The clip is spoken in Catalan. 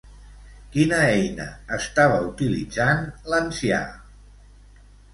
Quina eina estava utilitzant l'ancià?